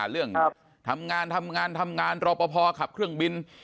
เรื่องทำงานทำงานทำงานรอปภขับเครื่องบิน